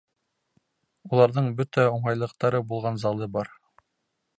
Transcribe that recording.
Уларҙың бөтә уңайлыҡтары булған залы бар.